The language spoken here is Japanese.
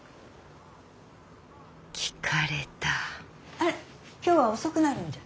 あら今日は遅くなるんじゃ？